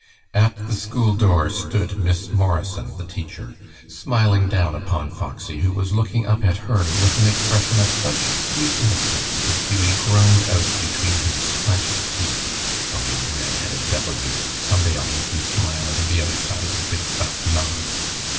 At the school door stood Miss Morrison, the teacher, smiling down upon Foxy, who was looking up at her with an expression of such sweet innocence that Hughie groaned out between his clenched teeth, "Oh, you red headed devil, you! Some day I'll make you smile out of the other side of your big, fat mouth."